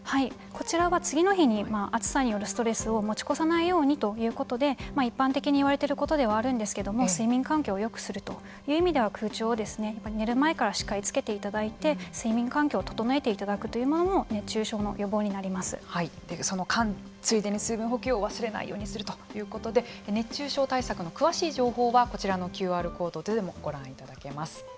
こちらは次の日に暑さによるストレスを持ち越さないようにということで一般的に言われていることではあるんですけれども睡眠環境をよくするという意味では空調を寝る前からしっかりつけていただいて睡眠環境を整えていただくということもそのついでに水分補給を忘れないようにするということで、熱中症対策の詳しい情報はこちらのＱＲコードでもご覧いただけます。